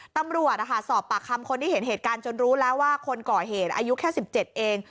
ตำรวจสอบปากคำคนที่เห็นเหตุการณ์จนรู้แล้วว่าคนก่อเหตุอายุแค่๑๗เอง